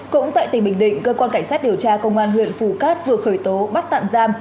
cũng tại tỉnh bình định cơ quan cảnh sát điều tra công an huyện phù cát vừa khởi tố bắt tạm giam